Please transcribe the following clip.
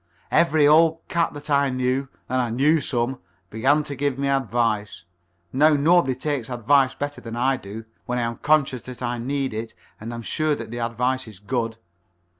Every old cat that I knew and I knew some began to give me advice. Now, nobody takes advice better than I do, when I am conscious that I need it and am sure that the advice is good.